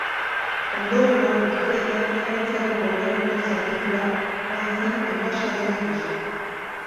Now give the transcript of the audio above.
Ondorengo urteetan, Frantziako Gobernuko zerbitzura joan zen enbaxadore gisa.